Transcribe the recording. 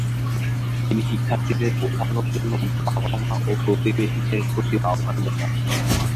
তিনি শিক্ষার্থীদের বোঝানোর জন্য মা বাবা ও প্রতিবেশীদের প্রতিও আহ্বান জানান।